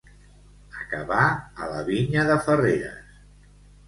Acabar a la vinya de Ferreres.